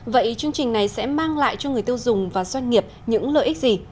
vậy chương trình này sẽ mang lại cho người tiêu dùng và doanh nghiệp những lợi ích gì